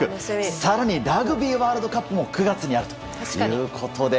更に、ラグビーワールドカップも９月にあるということで。